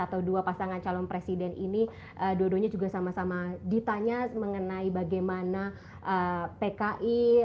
atau dua pasangan calon presiden ini dua duanya juga sama sama ditanya mengenai bagaimana pki